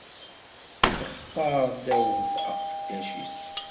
Ixtar Dawed, aqeddac-is.